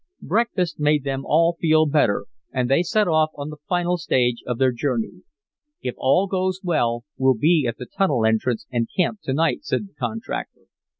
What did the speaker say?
Breakfast made them all feel better, and they set off on the final stage of their journey. "If all goes well we'll be at the tunnel entrance and camp to night," said the contractor.